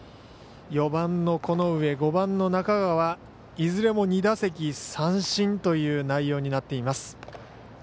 ４番の此上、５番の中川いずれも２打席三振という内容になっています。